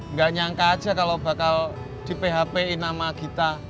nggak nyangka aja kalau bakal di php in sama gita